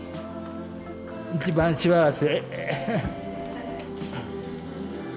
一番幸せ。